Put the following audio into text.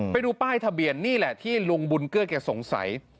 ไปดูป้ายทะเบียนนี่แหละที่ลุงบุญเกื้อแกสงสัย